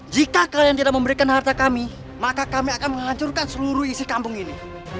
jika kalian tidak memberikan harta kami maka kami akan menghancurkan seluruh isi kampung ini